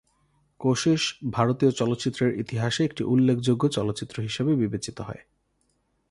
কোশিশ ভারতীয় চলচ্চিত্রের ইতিহাসে একটি উল্লেখযোগ্য চলচ্চিত্র হিসেবে বিবেচিত হয়।